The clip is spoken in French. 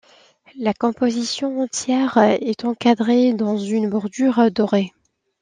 La composition entière est encadrée dans une bordure dorée.